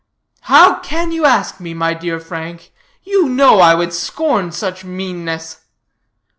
"How can you ask me, my dear Frank? You know I would scorn such meanness."